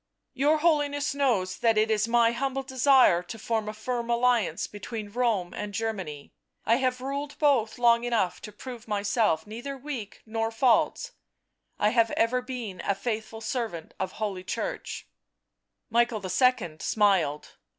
" Your Holiness knows that it is my humble desire to form a firm alliance between Rome and Germany. I have ruled both long enough to prove myself neither weak nor false, I have ever been a faithful servant of Holy Church " Michael II. smiled.